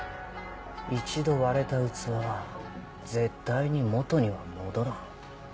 一度割れた器は絶対に元には戻らん。